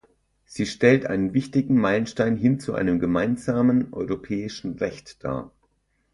Sie stellt einen wichtigen Meilenstein hin zu einem gemeinsamen europäischen Recht dar.